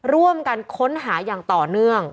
ร่วมกันค้นหาอย่างต่อเนื่อง